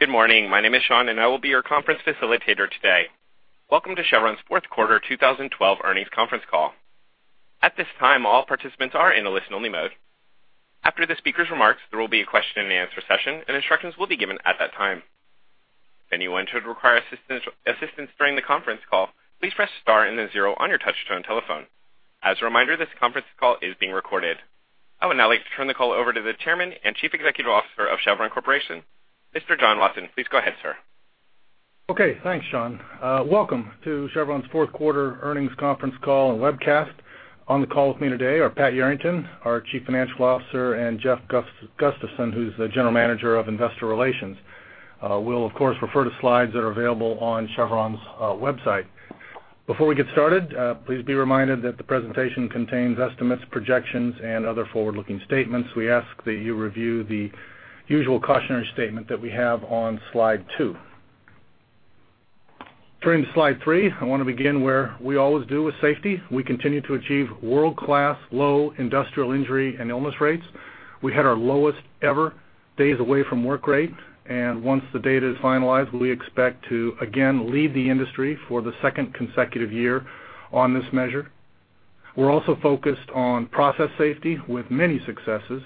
Good morning. My name is Sean, and I will be your conference facilitator today. Welcome to Chevron's fourth quarter 2012 earnings conference call. At this time, all participants are in a listen-only mode. After the speaker's remarks, there will be a question-and-answer session, and instructions will be given at that time. If anyone should require assistance during the conference call, please press star and then zero on your touch-tone telephone. As a reminder, this conference call is being recorded. I would now like to turn the call over to the Chairman and Chief Executive Officer of Chevron Corporation, Mr. John Watson. Please go ahead, sir. Okay, thanks, Sean. Welcome to Chevron's fourth quarter earnings conference call and webcast. On the call with me today are Pat Yarrington, our Chief Financial Officer, and Jeff Gustafson, who's the General Manager of Investor Relations. We'll of course refer to slides that are available on Chevron's website. Before we get started, please be reminded that the presentation contains estimates, projections, and other forward-looking statements. We ask that you review the usual cautionary statement that we have on Slide 2. Turning to Slide 3, I want to begin where we always do, with safety. We continue to achieve world-class low industrial injury and illness rates. We had our lowest ever days away from work rate, and once the data is finalized, we expect to again lead the industry for the second consecutive year on this measure. We're also focused on process safety with many successes.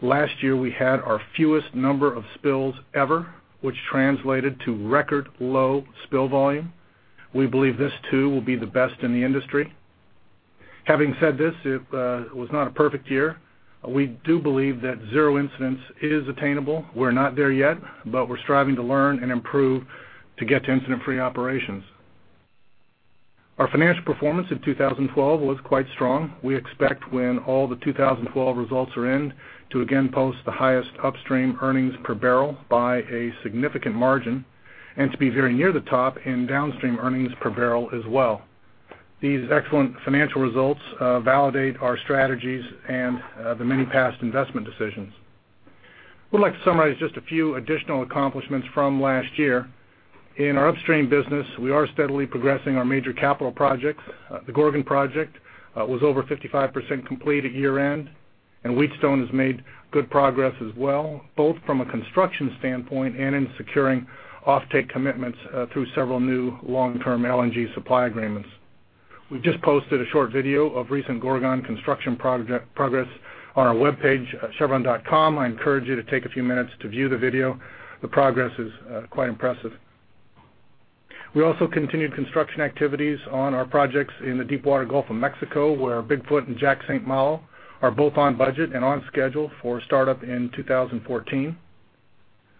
Last year, we had our fewest number of spills ever, which translated to record low spill volume. We believe this, too, will be the best in the industry. Having said this, it was not a perfect year. We do believe that zero incidents is attainable. We're not there yet, but we're striving to learn and improve to get to incident-free operations. Our financial performance in 2012 was quite strong. We expect when all the 2012 results are in to again post the highest upstream earnings per barrel by a significant margin, and to be very near the top in downstream earnings per barrel as well. These excellent financial results validate our strategies and the many past investment decisions. We'd like to summarize just a few additional accomplishments from last year. In our upstream business, we are steadily progressing our major capital projects. The Gorgon project was over 55% complete at year-end, and Wheatstone has made good progress as well, both from a construction standpoint and in securing offtake commitments through several new long-term LNG supply agreements. We've just posted a short video of recent Gorgon construction progress on our webpage, chevron.com. I encourage you to take a few minutes to view the video. The progress is quite impressive. We also continued construction activities on our projects in the deepwater Gulf of Mexico, where Big Foot and Jack/St. Malo are both on budget and on schedule for startup in 2014.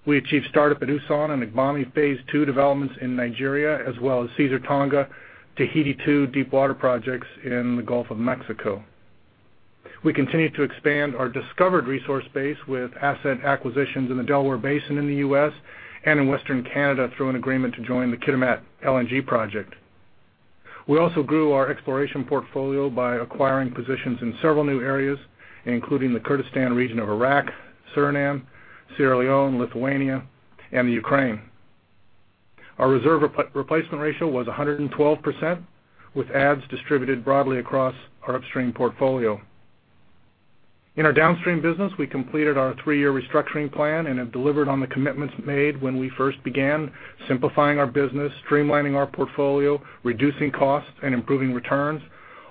We achieved startup at Usan and Agbami Phase 2 developments in Nigeria, as well as Caesar/Tonga, Tahiti 2 deepwater projects in the Gulf of Mexico. We continue to expand our discovered resource base with asset acquisitions in the Delaware Basin in the U.S. and in Western Canada through an agreement to join the Kitimat LNG project. We also grew our exploration portfolio by acquiring positions in several new areas, including the Kurdistan region of Iraq, Suriname, Sierra Leone, Lithuania, and the Ukraine. Our reserve replacement ratio was 112%, with adds distributed broadly across our upstream portfolio. In our downstream business, we completed our three-year restructuring plan and have delivered on the commitments made when we first began simplifying our business, streamlining our portfolio, reducing costs, and improving returns,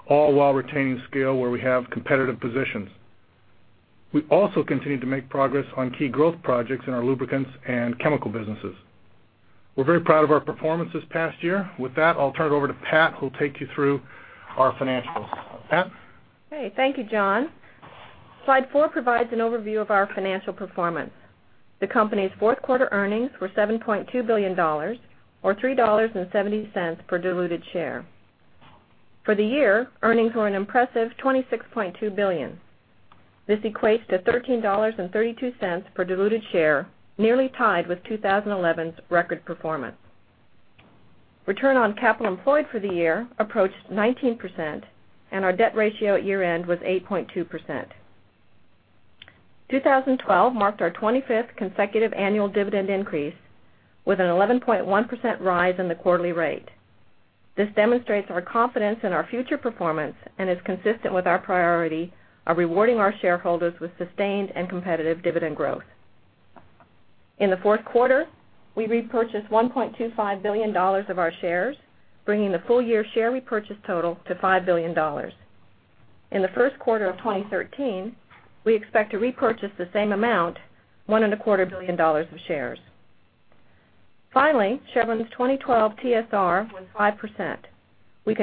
all while retaining scale where we have competitive positions. We also continue to make progress on key growth projects in our lubricants and chemical businesses. We're very proud of our performance this past year. With that, I'll turn it over to Pat, who'll take you through our financials. Pat? Okay. Thank you, John. Slide four provides an overview of our financial performance. The company's fourth quarter earnings were $7.2 billion, or $3.70 per diluted share. For the year, earnings were an impressive $26.2 billion. This equates to $13.32 per diluted share, nearly tied with 2011's record performance. Return on capital employed for the year approached 19%, and our debt ratio at year-end was 8.2%. 2012 marked our 25th consecutive annual dividend increase with an 11.1% rise in the quarterly rate. This demonstrates our confidence in our future performance and is consistent with our priority of rewarding our shareholders with sustained and competitive dividend growth. In the fourth quarter, we repurchased $1.25 billion of our shares, bringing the full-year share repurchase total to $5 billion. In the first quarter of 2013, we expect to repurchase the same amount, $1.25 billion of shares. Finally, Chevron's 2012 TSR was 5%. You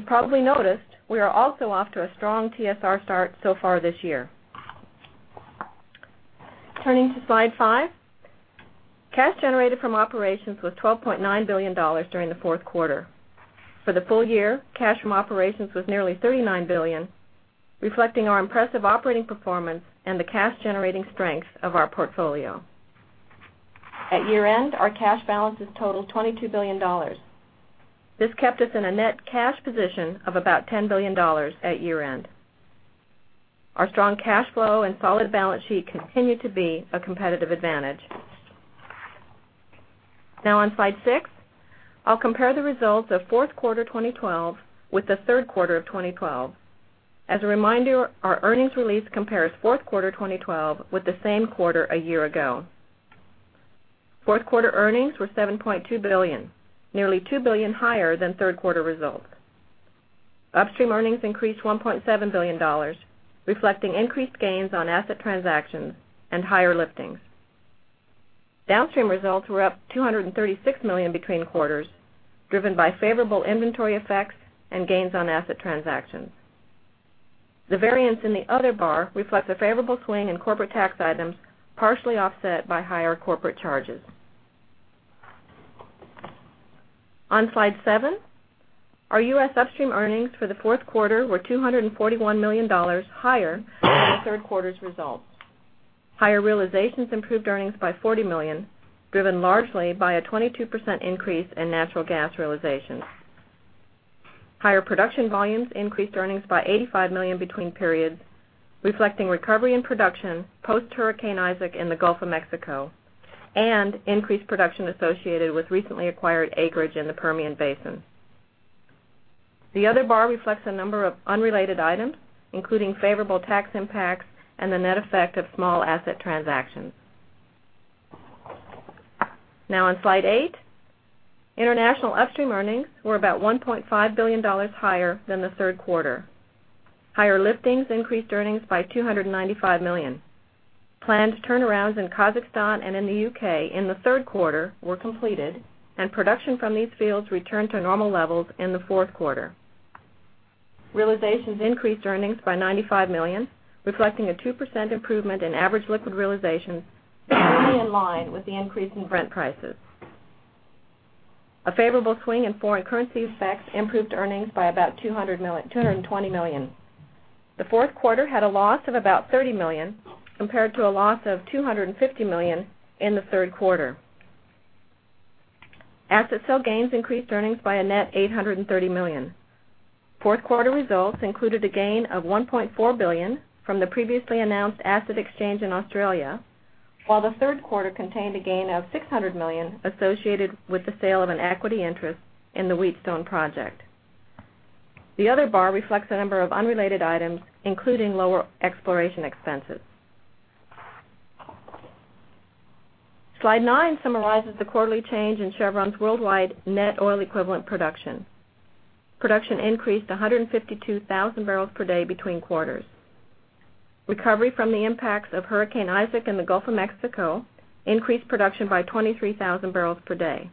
probably noticed we are also off to a strong TSR start so far this year. Turning to Slide five. Cash generated from operations was $12.9 billion during the fourth quarter. For the full year, cash from operations was nearly $39 billion, reflecting our impressive operating performance and the cash-generating strength of our portfolio. At year-end, our cash balances totaled $22 billion. This kept us in a net cash position of about $10 billion at year-end. Our strong cash flow and solid balance sheet continue to be a competitive advantage. On slide six, I'll compare the results of fourth quarter 2012 with the third quarter of 2012. As a reminder, our earnings release compares fourth quarter 2012 with the same quarter a year ago. Fourth quarter earnings were $7.2 billion, nearly $2 billion higher than third quarter results. Upstream earnings increased $1.7 billion, reflecting increased gains on asset transactions and higher liftings. Downstream results were up $236 million between quarters, driven by favorable inventory effects and gains on asset transactions. The variance in the other bar reflects a favorable swing in corporate tax items, partially offset by higher corporate charges. On slide seven, our U.S. upstream earnings for the fourth quarter were $241 million higher than the third quarter's results. Higher realizations improved earnings by $40 million, driven largely by a 22% increase in natural gas realizations. Higher production volumes increased earnings by $85 million between periods, reflecting recovery and production post-Hurricane Isaac in the Gulf of Mexico, and increased production associated with recently acquired acreage in the Permian Basin. The other bar reflects a number of unrelated items, including favorable tax impacts and the net effect of small asset transactions. On slide eight, international upstream earnings were about $1.5 billion higher than the third quarter. Higher liftings increased earnings by $295 million. Planned turnarounds in Kazakhstan and in the U.K. in the third quarter were completed, and production from these fields returned to normal levels in the fourth quarter. Realizations increased earnings by $95 million, reflecting a 2% improvement in average liquid realization, mainly in line with the increase in Brent prices. A favorable swing in foreign currency effects improved earnings by about $220 million. The fourth quarter had a loss of about $30 million compared to a loss of $250 million in the third quarter. Asset sale gains increased earnings by a net $830 million. Fourth quarter results included a gain of $1.4 billion from the previously announced asset exchange in Australia, while the third quarter contained a gain of $600 million associated with the sale of an equity interest in the Wheatstone project. The other bar reflects a number of unrelated items, including lower exploration expenses. Slide nine summarizes the quarterly change in Chevron's worldwide net oil equivalent production. Production increased 152,000 barrels per day between quarters. Recovery from the impacts of Hurricane Isaac in the Gulf of Mexico increased production by 23,000 barrels per day.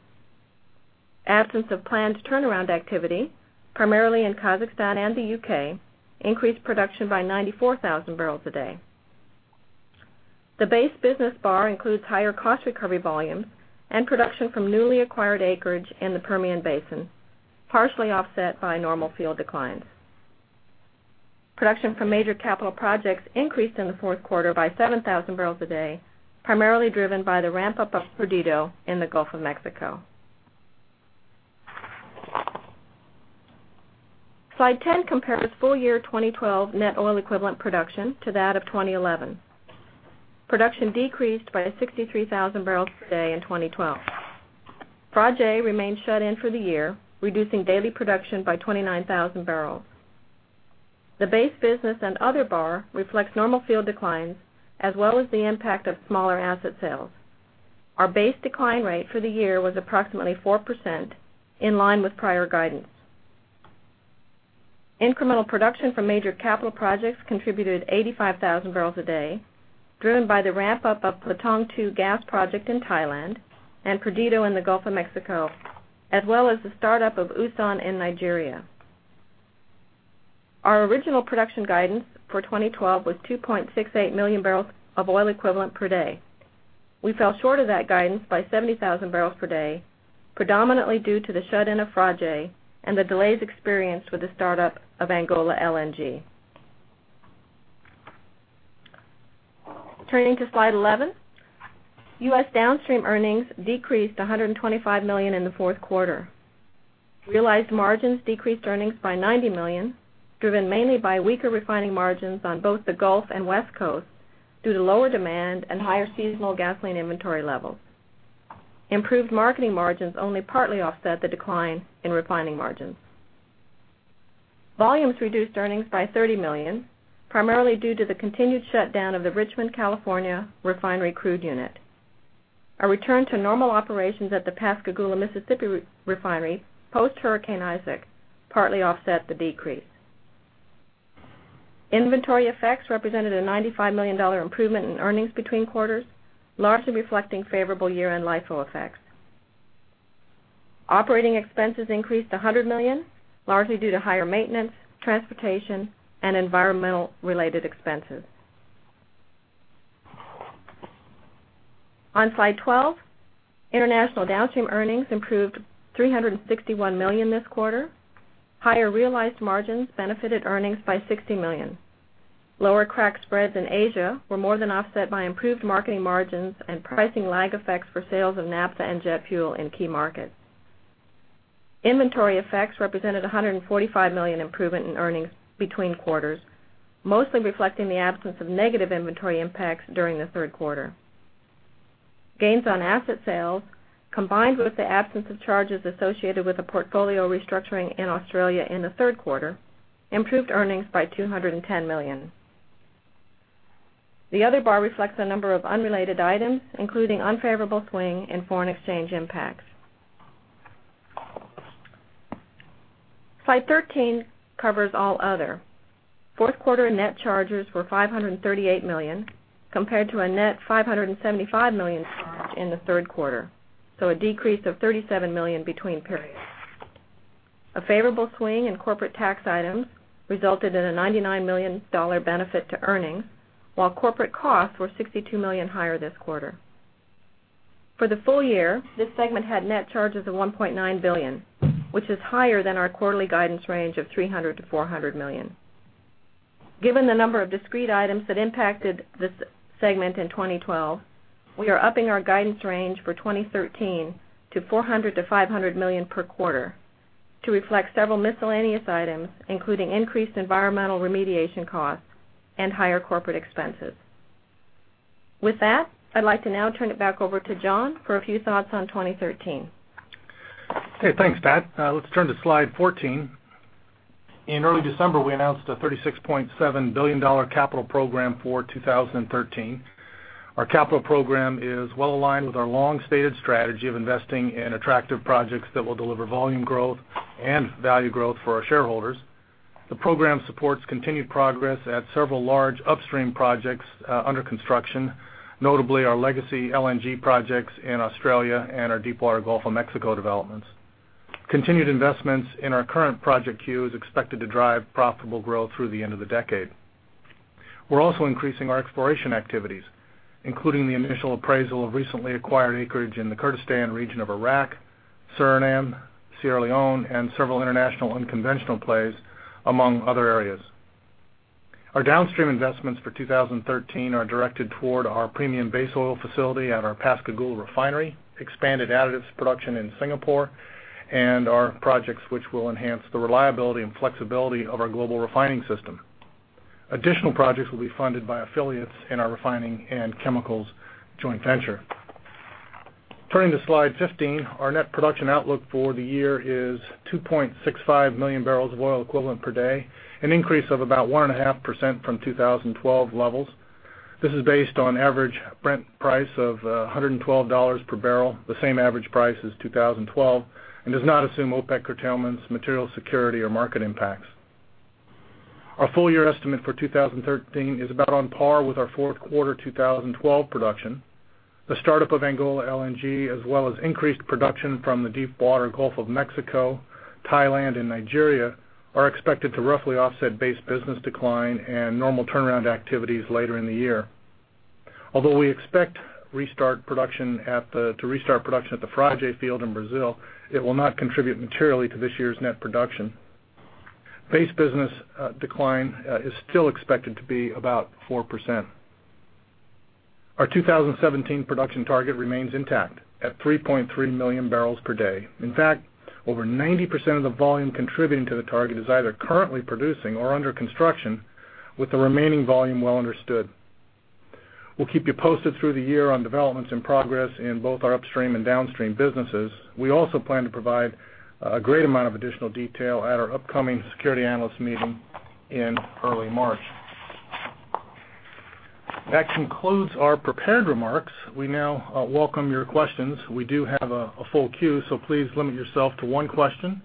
Absence of planned turnaround activity, primarily in Kazakhstan and the U.K., increased production by 94,000 barrels a day. The base business bar includes higher cost recovery volumes and production from newly acquired acreage in the Permian Basin, partially offset by normal field declines. Production from major capital projects increased in the fourth quarter by 7,000 barrels a day, primarily driven by the ramp-up of Perdido in the Gulf of Mexico. Slide 10 compares full-year 2012 net oil equivalent production to that of 2011. Production decreased by 63,000 barrels per day in 2012. Frade remained shut in for the year, reducing daily production by 29,000 barrels. The base business and other bar reflects normal field declines, as well as the impact of smaller asset sales. Our base decline rate for the year was approximately 4%, in line with prior guidance. Incremental production from major capital projects contributed 85,000 barrels a day, driven by the ramp-up of Platong II gas project in Thailand and Perdido in the Gulf of Mexico, as well as the startup of Usan in Nigeria. Our original production guidance for 2012 was 2.68 million barrels of oil equivalent per day. We fell short of that guidance by 70,000 barrels per day, predominantly due to the shut-in of Frade and the delays experienced with the startup of Angola LNG. Turning to slide 11, U.S. downstream earnings decreased $125 million in the fourth quarter. Realized margins decreased earnings by $90 million, driven mainly by weaker refining margins on both the Gulf and West Coast due to lower demand and higher seasonal gasoline inventory levels. Improved marketing margins only partly offset the decline in refining margins. Volumes reduced earnings by $30 million, primarily due to the continued shutdown of the Richmond, California refinery crude unit. A return to normal operations at the Pascagoula, Mississippi refinery post-Hurricane Isaac partly offset the decrease. Inventory effects represented a $95 million improvement in earnings between quarters, largely reflecting favorable year-end LIFO effects. Operating expenses increased to $100 million, largely due to higher maintenance, transportation, and environmental-related expenses. On slide 12, international downstream earnings improved $361 million this quarter. Higher realized margins benefited earnings by $60 million. Lower crack spreads in Asia were more than offset by improved marketing margins and pricing lag effects for sales of naphtha and jet fuel in key markets. Inventory effects represented a $145 million improvement in earnings between quarters, mostly reflecting the absence of negative inventory impacts during the third quarter. Gains on asset sales, combined with the absence of charges associated with a portfolio restructuring in Australia in the third quarter, improved earnings by $210 million. The other bar reflects a number of unrelated items, including unfavorable swing and foreign exchange impacts. Slide 13 covers all other. Fourth quarter net charges were $538 million, compared to a net $575 million charge in the third quarter, so a decrease of $37 million between periods. A favorable swing in corporate tax items resulted in a $99 million benefit to earnings, while corporate costs were $62 million higher this quarter. For the full year, this segment had net charges of $1.9 billion, which is higher than our quarterly guidance range of $300 million-$400 million. Given the number of discrete items that impacted this segment in 2012, we are upping our guidance range for 2013 to $400 million-$500 million per quarter to reflect several miscellaneous items, including increased environmental remediation costs and higher corporate expenses. With that, I'd like to now turn it back over to John for a few thoughts on 2013. Okay, thanks, Pat. Let's turn to slide 14. In early December, we announced a $36.7 billion capital program for 2013. Our capital program is well-aligned with our long-stated strategy of investing in attractive projects that will deliver volume growth and value growth for our shareholders. The program supports continued progress at several large upstream projects under construction, notably our legacy LNG projects in Australia and our deep water Gulf of Mexico developments. Continued investments in our current project queue is expected to drive profitable growth through the end of the decade. We are also increasing our exploration activities, including the initial appraisal of recently acquired acreage in the Kurdistan region of Iraq, Suriname, Sierra Leone, and several international unconventional plays, among other areas. Our downstream investments for 2013 are directed toward our premium base oil facility at our Pascagoula refinery, expanded additives production in Singapore, and our projects which will enhance the reliability and flexibility of our global refining system. Additional projects will be funded by affiliates in our refining and chemicals joint venture. Turning to slide 15, our net production outlook for the year is 2.65 million barrels of oil equivalent per day, an increase of about 1.5% from 2012 levels. This is based on average Brent price of $112 per barrel, the same average price as 2012. Does not assume OPEC curtailments, material security, or market impacts. Our full year estimate for 2013 is about on par with our fourth quarter 2012 production. The startup of Angola LNG, as well as increased production from the deep water Gulf of Mexico, Thailand, and Nigeria are expected to roughly offset base business decline and normal turnaround activities later in the year. We expect to restart production at the Frade field in Brazil, it will not contribute materially to this year's net production. Base business decline is still expected to be about 4%. Our 2017 production target remains intact at 3.3 million barrels per day. Over 90% of the volume contributing to the target is either currently producing or under construction, with the remaining volume well understood. We will keep you posted through the year on developments in progress in both our upstream and downstream businesses. We also plan to provide a great amount of additional detail at our upcoming security analyst meeting in early March. That concludes our prepared remarks. We now welcome your questions. We do have a full queue, please limit yourself to one question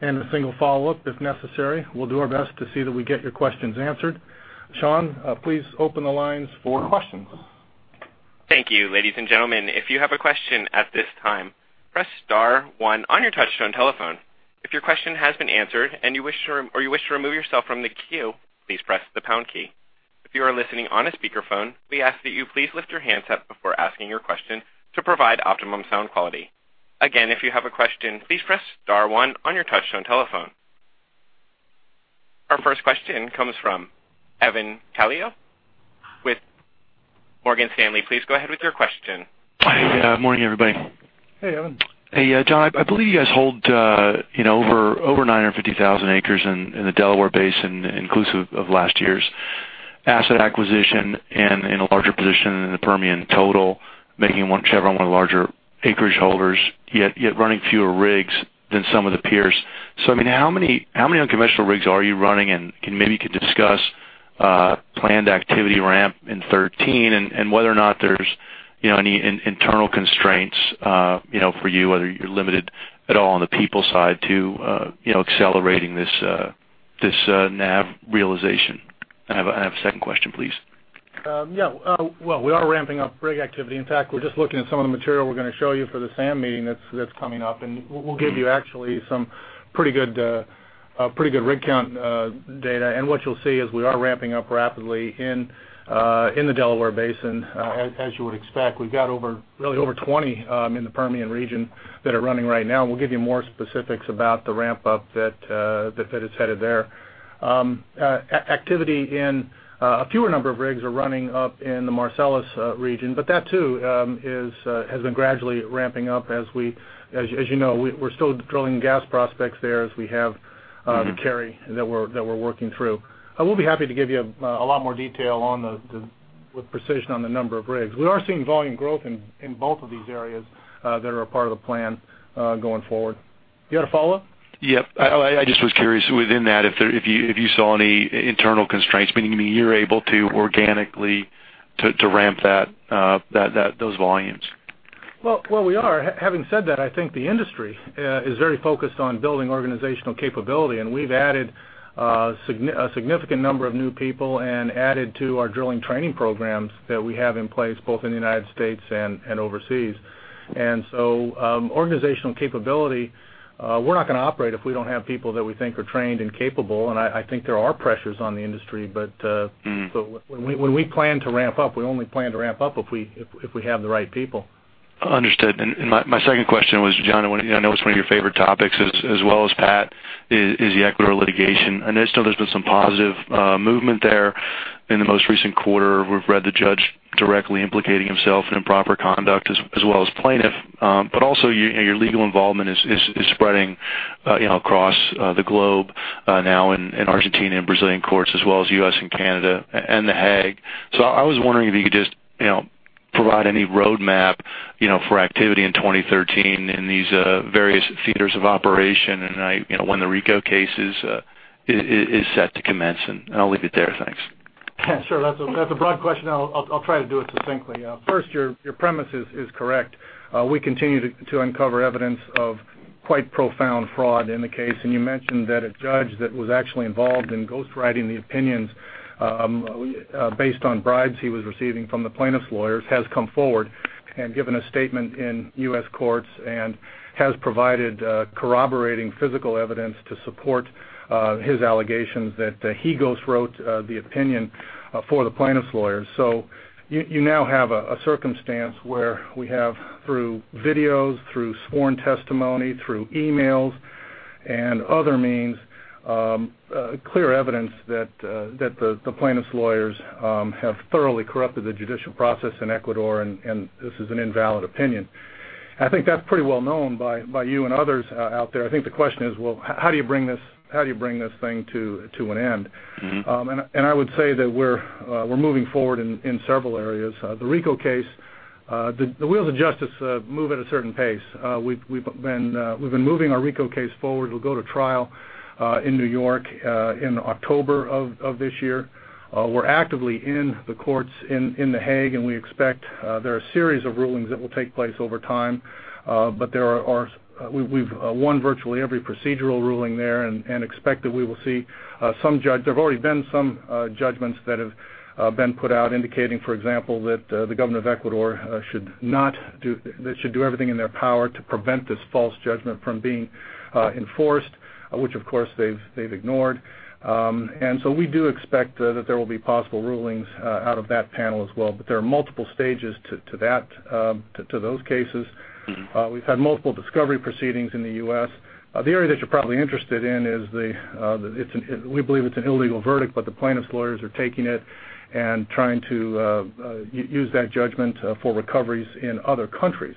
and a single follow-up if necessary. We will do our best to see that we get your questions answered. Sean, please open the lines for questions. Thank you. Ladies and gentlemen, if you have a question at this time, press *1 on your touch-tone telephone. If your question has been answered or you wish to remove yourself from the queue, please press the # key. If you are listening on a speakerphone, we ask that you please lift your handset before asking your question to provide optimum sound quality. Again, if you have a question, please press *1 on your touch-tone telephone. Our first question comes from Evan Calio with Morgan Stanley. Please go ahead with your question. Hi. Yeah, good morning, everybody. Hey, Evan. Hey, John. I believe you guys hold over 950,000 acres in the Delaware Basin, inclusive of last year's asset acquisition and a larger position in the Permian. Total, making Chevron one of the larger acreage holders, yet running fewer rigs than some of the peers. How many unconventional rigs are you running, and maybe you could discuss planned activity ramp in 2013 and whether or not there's any internal constraints for you, whether you're limited at all on the people side to accelerating this NAV realization? I have a second question, please. Yeah. Well, we are ramping up rig activity. In fact, we're just looking at some of the material we're going to show you for the SAM meeting that's coming up, we'll give you actually some pretty good rig count data. What you'll see is we are ramping up rapidly in the Delaware Basin as you would expect. We've got really over 20 in the Permian region that are running right now. We'll give you more specifics about the ramp up that is headed there. A fewer number of rigs are running up in the Marcellus region, that too has been gradually ramping up. As you know, we're still drilling gas prospects there as we have the carry that we're working through. I will be happy to give you a lot more detail with precision on the number of rigs. We are seeing volume growth in both of these areas that are a part of the plan going forward. You got a follow-up? Yep. I just was curious within that, if you saw any internal constraints, meaning you're able to organically to ramp those volumes. Well, we are. Having said that, I think the industry is very focused on building organizational capability, we've added a significant number of new people and added to our drilling training programs that we have in place, both in the U.S. and overseas. Organizational capability, we're not going to operate if we don't have people that we think are trained and capable, I think there are pressures on the industry. When we plan to ramp up, we only plan to ramp up if we have the right people. Understood. My second question was, John, I know it's one of your favorite topics, as well as Pat, is the Ecuador litigation. I know there's been some positive movement there in the most recent quarter. We've read the judge directly implicating himself in improper conduct as well as plaintiff. Your legal involvement is spreading across the globe now in Argentina and Brazilian courts as well as U.S. and Canada and The Hague. I was wondering if you could just provide any roadmap for activity in 2013 in these various theaters of operation and when the RICO case is set to commence, and I'll leave it there. Thanks. Sure. That's a broad question. I'll try to do it succinctly. First, your premise is correct. We continue to uncover evidence of quite profound fraud in the case. You mentioned that a judge that was actually involved in ghostwriting the opinions based on bribes he was receiving from the plaintiff's lawyers has come forward and given a statement in U.S. courts and has provided corroborating physical evidence to support his allegations that he ghostwrote the opinion for the plaintiff's lawyers. You now have a circumstance where we have, through videos, through sworn testimony, through emails and other means, clear evidence that the plaintiff's lawyers have thoroughly corrupted the judicial process in Ecuador, and this is an invalid opinion. I think that's pretty well known by you and others out there. I think the question is, well, how do you bring this thing to an end? I would say that we're moving forward in several areas. The RICO case, the wheels of justice move at a certain pace. We've been moving our RICO case forward. It'll go to trial in New York in October of this year. We're actively in the courts in The Hague, and we expect there are a series of rulings that will take place over time. We've won virtually every procedural ruling there and expect that we will see some. There've already been some judgments that have been put out indicating, for example, that the government of Ecuador should do everything in their power to prevent this false judgment from being enforced, which, of course, they've ignored. We do expect that there will be possible rulings out of that panel as well, there are multiple stages to those cases. We've had multiple discovery proceedings in the U.S. The area that you're probably interested in is we believe it's an illegal verdict, but the plaintiff's lawyers are taking it and trying to use that judgment for recoveries in other countries.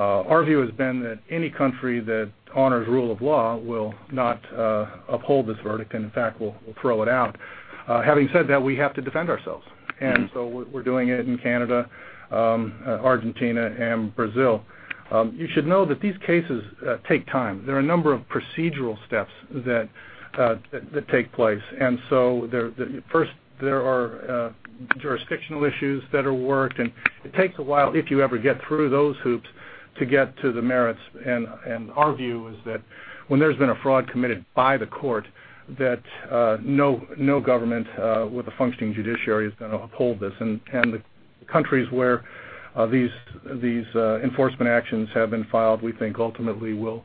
Our view has been that any country that honors rule of law will not uphold this verdict and, in fact, will throw it out. Having said that, we have to defend ourselves. We're doing it in Canada, Argentina, and Brazil. You should know that these cases take time. There are a number of procedural steps that take place. First, there are jurisdictional issues that are worked, and it takes a while, if you ever get through those hoops, to get to the merits. Our view is that when there's been a fraud committed by the court, that no government with a functioning judiciary is going to uphold this. The countries where these enforcement actions have been filed, we think, ultimately, will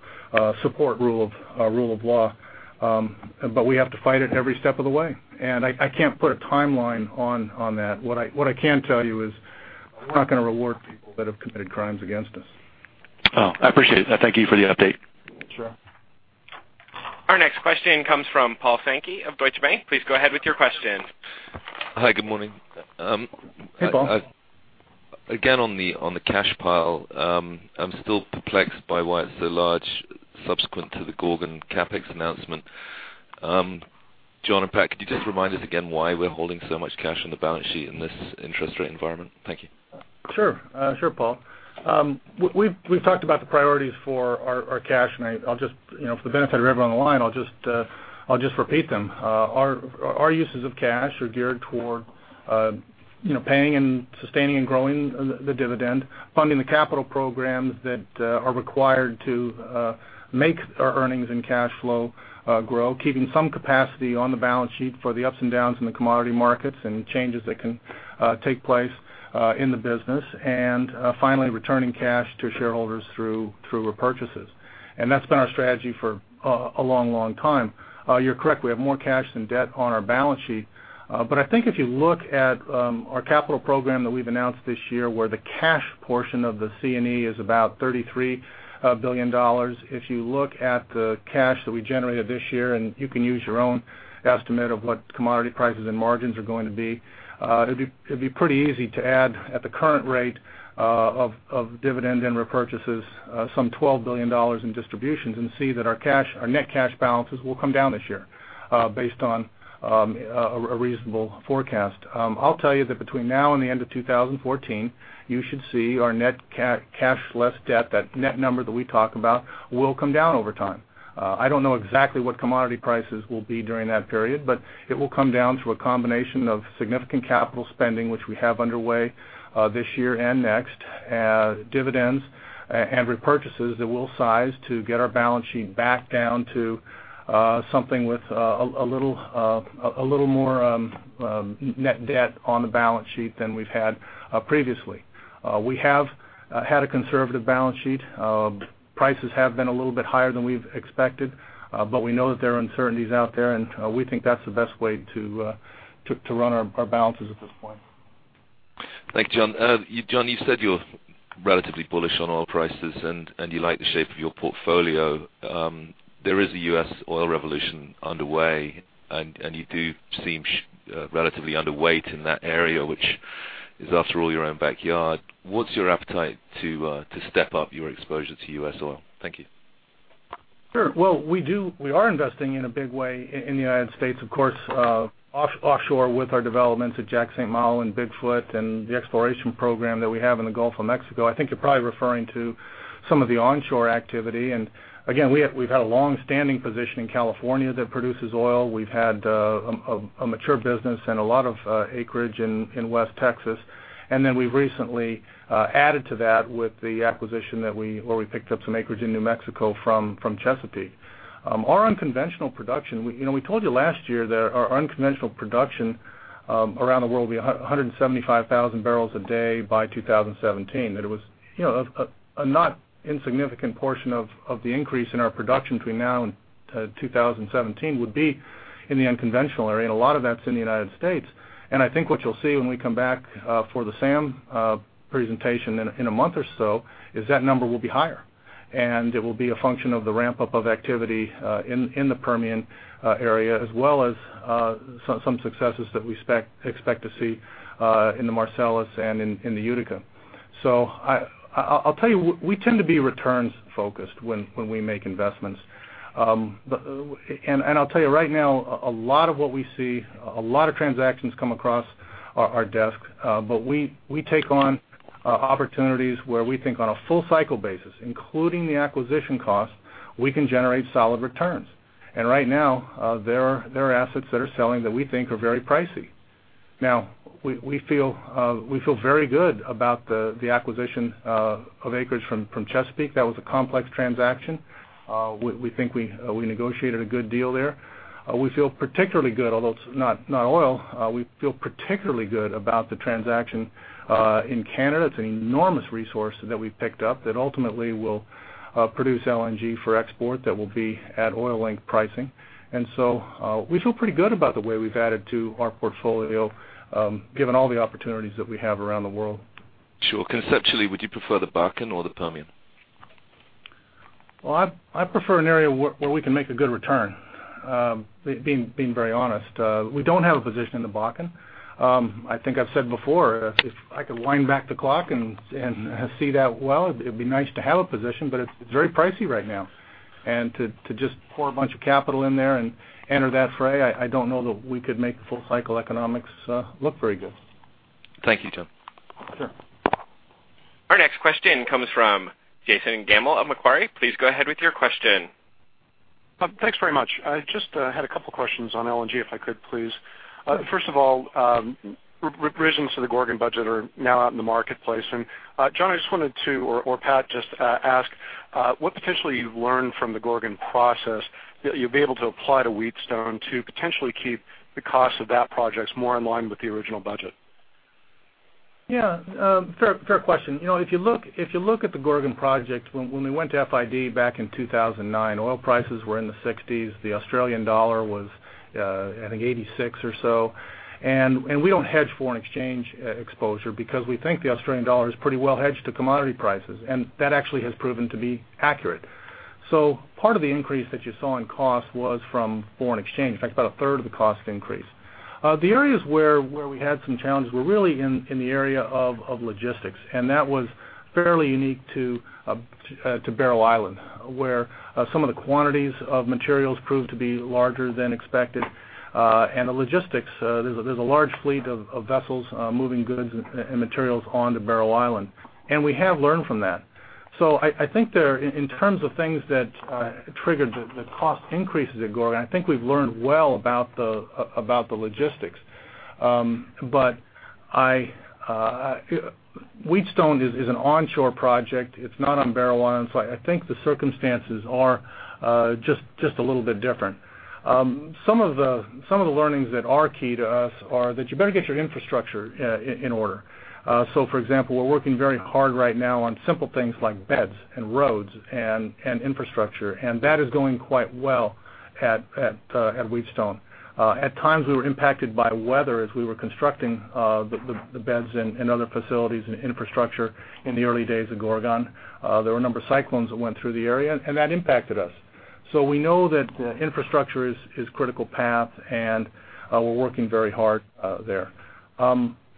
support rule of law. We have to fight it every step of the way. I can't put a timeline on that. What I can tell you is we're not going to reward people that have committed crimes against us. Oh, I appreciate it. Thank you for the update. Sure. Our next question comes from Paul Sankey of Deutsche Bank. Please go ahead with your question. Hi, good morning. Hey, Paul. Again, on the cash pile. I'm still perplexed by why it's so large subsequent to the Gorgon CapEx announcement. John and Pat, could you just remind us again why we're holding so much cash on the balance sheet in this interest rate environment? Thank you. Sure, Paul. We've talked about the priorities for our cash. For the benefit of everyone on the line, I'll just repeat them. Our uses of cash are geared toward paying and sustaining and growing the dividend, funding the capital programs that are required to make our earnings and cash flow grow, keeping some capacity on the balance sheet for the ups and downs in the commodity markets and changes that can take place in the business. Finally, returning cash to shareholders through repurchases. That's been our strategy for a long time. You're correct, we have more cash than debt on our balance sheet. I think if you look at our capital program that we've announced this year, where the cash- portion of the C&E is about $33 billion. If you look at the cash that we generated this year, you can use your own estimate of what commodity prices and margins are going to be, it'd be pretty easy to add at the current rate of dividend and repurchases, some $12 billion in distributions and see that our net cash balances will come down this year based on a reasonable forecast. I'll tell you that between now and the end of 2014, you should see our net cash less debt, that net number that we talk about, will come down over time. I don't know exactly what commodity prices will be during that period, it will come down through a combination of significant capital spending, which we have underway this year and next, dividends and repurchases that we'll size to get our balance sheet back down to something with a little more net debt on the balance sheet than we've had previously. We have had a conservative balance sheet. Prices have been a little bit higher than we've expected, we know that there are uncertainties out there, we think that's the best way to run our balances at this point. Thank you, John. John, you said you're relatively bullish on oil prices, you like the shape of your portfolio. There is a U.S. oil revolution underway, you do seem relatively underweight in that area, which is, after all, your own backyard. What's your appetite to step up your exposure to U.S. oil? Thank you. Sure. Well, we are investing in a big way in the United States, of course, offshore with our developments at Jack/St. Malo and Big Foot and the exploration program that we have in the Gulf of Mexico. I think you're probably referring to some of the onshore activity, again, we've had a long-standing position in California that produces oil. We've had a mature business and a lot of acreage in West Texas. Then we've recently added to that with the acquisition where we picked up some acreage in New Mexico from Chesapeake. Our unconventional production, we told you last year that our unconventional production around the world will be 175,000 barrels a day by 2017, that it was a not insignificant portion of the increase in our production between now and 2017 would be in the unconventional area, a lot of that's in the United States. I think what you'll see when we come back for the SAM presentation in a month or so is that number will be higher, and it will be a function of the ramp-up of activity in the Permian area as well as some successes that we expect to see in the Marcellus and in the Utica. I'll tell you, we tend to be returns-focused when we make investments. I'll tell you right now, a lot of what we see, a lot of transactions come across our desk, but we take on opportunities where we think on a full-cycle basis, including the acquisition cost, we can generate solid returns. Right now, there are assets that are selling that we think are very pricey. We feel very good about the acquisition of acreage from Chesapeake. That was a complex transaction. We think we negotiated a good deal there. Although it's not oil, we feel particularly good about the transaction in Canada. It's an enormous resource that we've picked up that ultimately will produce LNG for export that will be at oil-linked pricing. We feel pretty good about the way we've added to our portfolio given all the opportunities that we have around the world. Sure. Conceptually, would you prefer the Bakken or the Permian? Well, I prefer an area where we can make a good return, being very honest. We don't have a position in the Bakken. I think I've said before, if I could wind back the clock and see that well, it'd be nice to have a position, but it's very pricey right now. To just pour a bunch of capital in there and enter that fray, I don't know that we could make the full-cycle economics look very good. Thank you, John. Sure. Our next question comes from Jason Gammel of Macquarie. Please go ahead with your question. Thanks very much. I just had a couple questions on LNG, if I could, please. Sure. First of all, revisions to the Gorgon budget are now out in the marketplace. John, I just wanted to, or Pat, just ask what potentially you've learned from the Gorgon process that you'll be able to apply to Wheatstone to potentially keep the cost of that project more in line with the original budget? Yeah. Fair question. If you look at the Gorgon Project, when we went to FID back in 2009, oil prices were in the 60s. The Australian dollar was I think 86 or so. We don't hedge foreign exchange exposure because we think the Australian dollar is pretty well hedged to commodity prices. That actually has proven to be accurate. Part of the increase that you saw in cost was from foreign exchange. In fact, about a third of the cost increase. The areas where we had some challenges were really in the area of logistics, and that was fairly unique to Barrow Island, where some of the quantities of materials proved to be larger than expected. The logistics, there's a large fleet of vessels moving goods and materials onto Barrow Island, and we have learned from that. I think in terms of things that triggered the cost increases at Gorgon, I think we've learned well about the logistics. Wheatstone is an onshore project. It's not on Barrow Island, so I think the circumstances are just a little bit different. Some of the learnings that are key to us are that you better get your infrastructure in order. For example, we're working very hard right now on simple things like beds and roads and infrastructure, and that is going quite well at Wheatstone. At times, we were impacted by weather as we were constructing the beds and other facilities and infrastructure in the early days of Gorgon. There were a number of cyclones that went through the area, and that impacted us. We know that infrastructure is critical path, and we're working very hard there.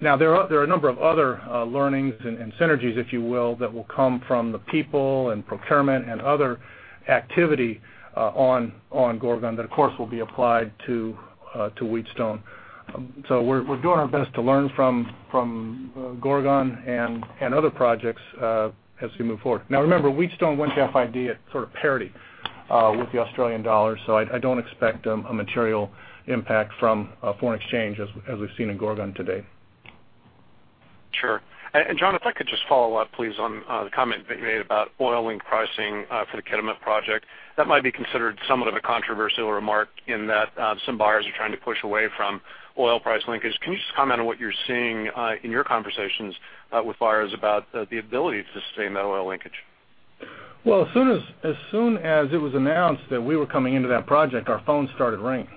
There are a number of other learnings and synergies, if you will, that will come from the people and procurement and other activity on Gorgon that of course will be applied to Wheatstone. We're doing our best to learn from Gorgon and other projects as we move forward. Remember, Wheatstone went FID at sort of parity with the Australian dollar, so I don't expect a material impact from foreign exchange as we've seen in Gorgon today. Sure. John, if I could just follow up please on the comment that you made about oil link pricing for the Kitimat Project. That might be considered somewhat of a controversial remark in that some buyers are trying to push away from oil price linkage. Can you just comment on what you're seeing in your conversations with buyers about the ability to sustain that oil linkage? Well, as soon as it was announced that we were coming into that project, our phone started ringing.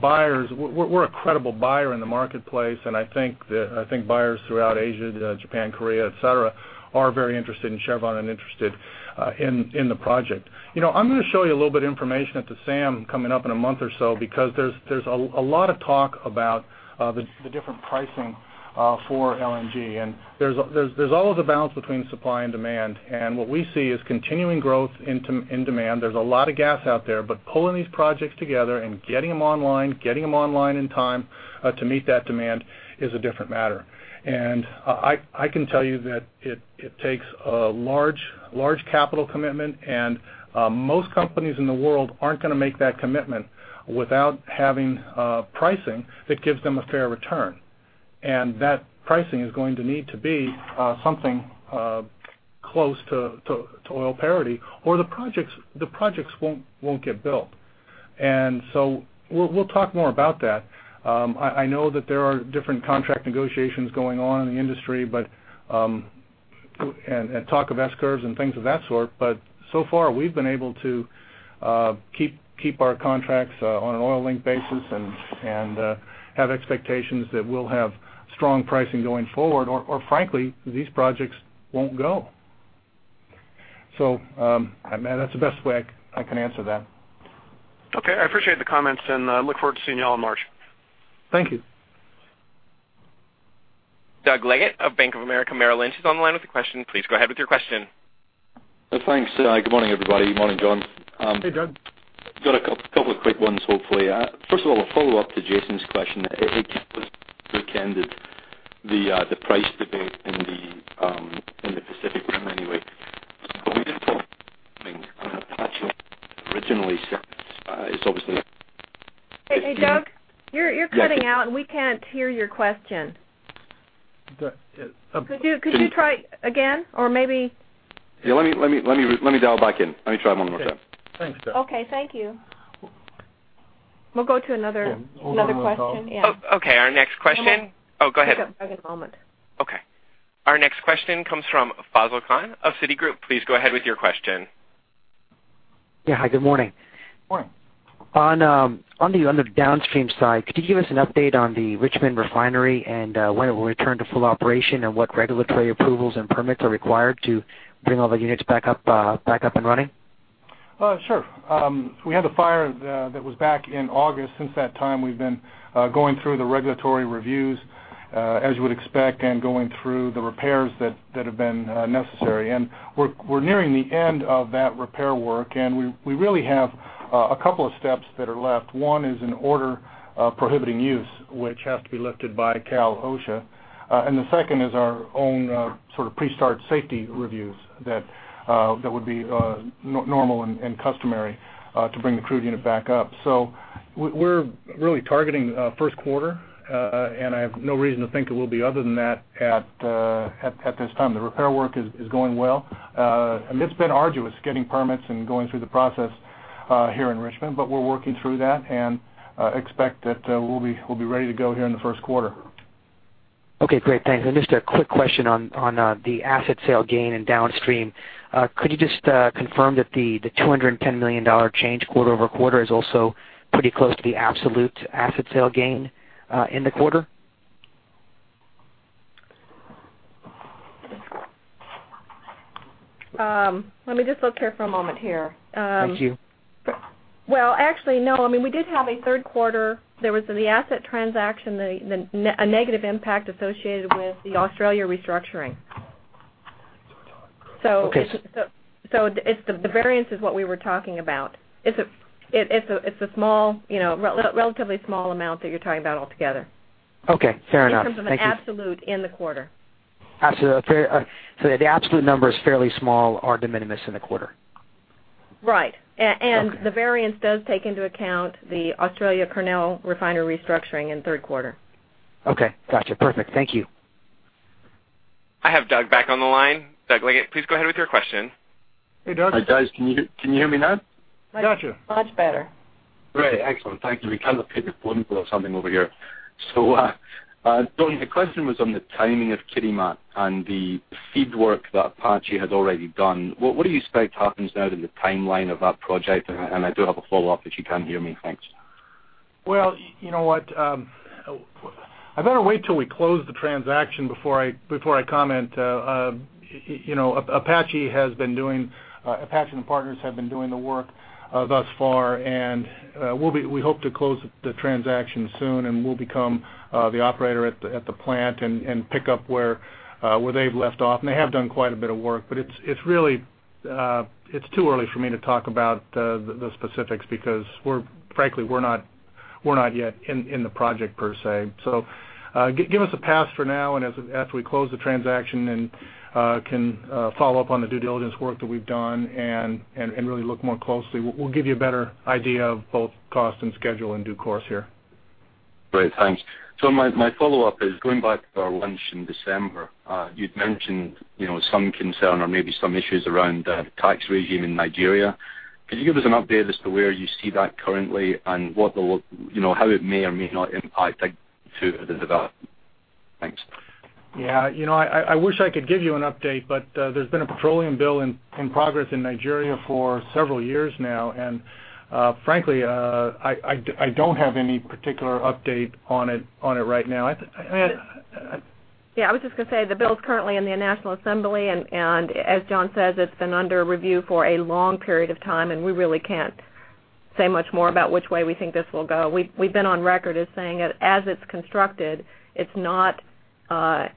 Buyers, we're a credible buyer in the marketplace, I think buyers throughout Asia, Japan, Korea, et cetera, are very interested in Chevron and interested in the project. I'm going to show you a little bit information at the SAM coming up in a month or so because there's a lot of talk about the different pricing for LNG. There's always a balance between supply and demand, what we see is continuing growth in demand. There's a lot of gas out there, but pulling these projects together and getting them online, getting them online in time to meet that demand is a different matter. I can tell you that it takes a large capital commitment, and most companies in the world aren't going to make that commitment without having pricing that gives them a fair return. That pricing is going to need to be something close to oil parity or the projects won't get built. We'll talk more about that. I know that there are different contract negotiations going on in the industry, and talk of S-curves and things of that sort, but so far, we've been able to keep our contracts on an oil link basis and have expectations that we'll have strong pricing going forward, or frankly, these projects won't go. That's the best way I can answer that. Okay. I appreciate the comments, and I look forward to seeing you all in March. Thank you. Douglas Leggate of Bank of America Merrill Lynch is on the line with a question. Please go ahead with your question. Thanks. Good morning, everybody. Good morning, John. Hey, Doug. Got a couple of quick ones, hopefully. First of all, a follow-up to Jason's question. It was weakened the price debate in the Pacific Rim, anyway. We didn't talk on Apache originally, since it's obviously. Hey, Doug? You're cutting out, we can't hear your question. Doug. Could you try again or maybe? Yeah, let me dial back in. Let me try one more time. Okay. Thanks, Doug. Okay. Thank you. We'll go to another question. Yeah. Okay, our next question. One moment. Oh, go ahead. Just one moment. Okay. Our next question comes from Faisel Khan of Citigroup. Please go ahead with your question. Yeah. Hi, good morning. Morning. On the downstream side, could you give us an update on the Richmond Refinery and when it will return to full operation, and what regulatory approvals and permits are required to bring all the units back up and running? Sure. We had the fire that was back in August. Since that time, we've been going through the regulatory reviews as you would expect, and going through the repairs that have been necessary. We're nearing the end of that repair work, and we really have a couple of steps that are left. One is an Order Prohibiting Use, which has to be lifted by Cal/OSHA, and the second is our own sort of pre-start safety reviews that would be normal and customary to bring the crude unit back up. We're really targeting first quarter, and I have no reason to think it will be other than that at this time. The repair work is going well. It's been arduous getting permits and going through the process here in Richmond, but we're working through that and expect that we'll be ready to go here in the first quarter. Okay, great. Thanks. Just a quick question on the asset sale gain in downstream. Could you just confirm that the $210 million change quarter-over-quarter is also pretty close to the absolute asset sale gain in the quarter? Let me just look here for a moment here. Thank you. Well, actually, no. I mean, we did have a third quarter. There was the asset transaction, a negative impact associated with the Australia restructuring. Okay. The variance is what we were talking about. It's a relatively small amount that you're talking about altogether. Okay, fair enough. Thank you. In terms of an absolute in the quarter. The absolute number is fairly small or de minimis in the quarter. Right. Okay. The variance does take into account the Australia Kurnell Refinery restructuring in third quarter. Okay, got you. Perfect. Thank you. I have Doug back on the line. Douglas Leggate, please go ahead with your question. Hey, Doug. Hi, guys. Can you hear me now? Gotcha. Much better. Great. Excellent. Thank you. We kind of picked a phone call or something over here. John, the question was on the timing of Kitimat and the FEED work that Apache has already done. What do you expect happens now in the timeline of that project? I do have a follow-up if you can hear me. Thanks. You know what? I better wait till we close the transaction before I comment. Apache and partners have been doing the work thus far, we hope to close the transaction soon, we'll become the operator at the plant and pick up where they've left off. They have done quite a bit of work, it's too early for me to talk about the specifics because, frankly, we're not yet in the project per se. Give us a pass for now as we close the transaction can follow up on the due diligence work that we've done and really look more closely, we'll give you a better idea of both cost and schedule in due course here. Great. Thanks. My follow-up is going back to our lunch in December. You'd mentioned some concern or maybe some issues around the tax regime in Nigeria. Could you give us an update as to where you see that currently how it may or may not impact to the development? Thanks. Yeah. I wish I could give you an update, there's been a Petroleum Bill in progress in Nigeria for several years now. Frankly, I don't have any particular update on it right now. Yeah, I was just going to say the bill's currently in the National Assembly, and as John says, it's been under review for a long period of time, and we really can't say much more about which way we think this will go. We've been on record as saying that as it's constructed, it's not an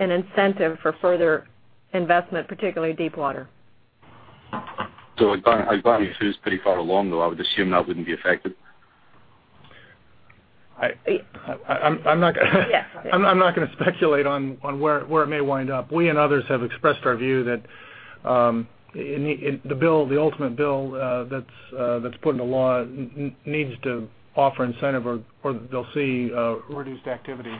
incentive for further investment, particularly deepwater. Agbami Phase 2 is pretty far along, though. I would assume that wouldn't be affected. I'm not going to speculate on where it may wind up. We and others have expressed our view that the ultimate bill that's put into law needs to offer incentive, or they'll see reduced activity.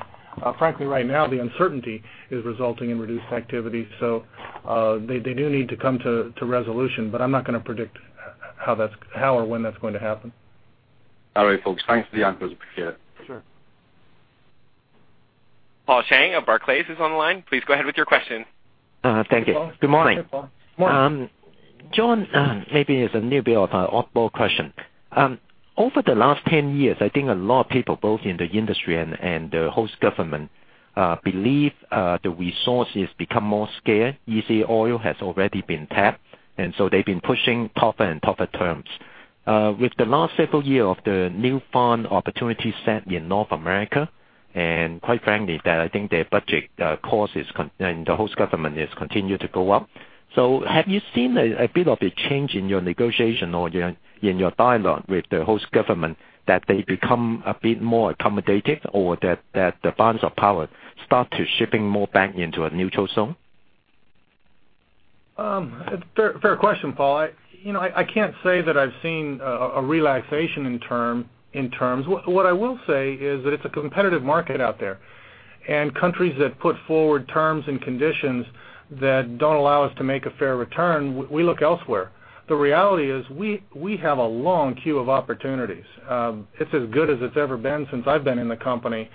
Frankly, right now, the uncertainty is resulting in reduced activity. They do need to come to resolution, but I'm not going to predict how or when that's going to happen. All right, folks. Thanks for the answers. Appreciate it. Sure. Paul Cheng of Barclays is on the line. Please go ahead with your question. Thank you. Good morning. Good morning. John, maybe it's a little bit of an oddball question. Over the last 10 years, I think a lot of people, both in the industry and the host government, believe the resources become more scarce. Easy oil has already been tapped, and so they've been pushing tougher and tougher terms. With the last several year of the new fund opportunity set in North America, and quite frankly, that I think the budget cost and the host government has continued to go up. Have you seen a bit of a change in your negotiation or in your dialogue with the host government that they become a bit more accommodative or that the balance of power start to shifting more back into a neutral zone? Fair question, Paul. I can't say that I've seen a relaxation in terms. What I will say is that it's a competitive market out there, and countries that put forward terms and conditions that don't allow us to make a fair return, we look elsewhere. The reality is we have a long queue of opportunities. It's as good as it's ever been since I've been in the company,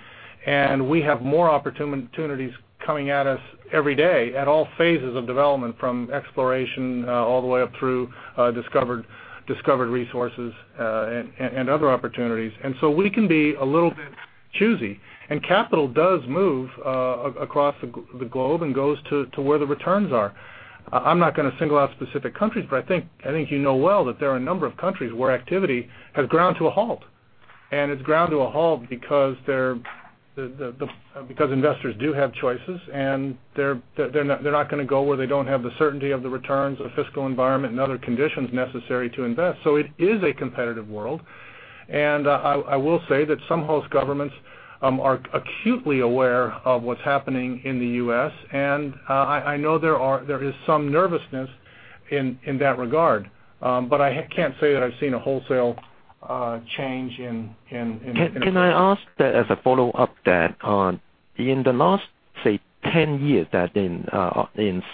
and we have more opportunities coming at us every day at all phases of development, from exploration all the way up through discovered resources and other opportunities. We can be a little bit choosy. Capital does move across the globe and goes to where the returns are. I'm not going to single out specific countries, but I think you know well that there are a number of countries where activity has ground to a halt, and it's ground to a halt because investors do have choices, and they're not going to go where they don't have the certainty of the returns or fiscal environment and other conditions necessary to invest. It is a competitive world, and I will say that some host governments are acutely aware of what's happening in the U.S., and I know there is some nervousness in that regard. I can't say that I've seen a wholesale change in- Can I ask that as a follow-up then? In the last, say, 10 years, that in